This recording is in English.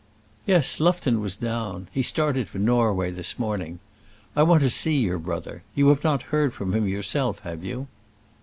"Yes; Lufton was down. He started for Norway this morning. I want to see your brother. You have not heard from him yourself, have you?"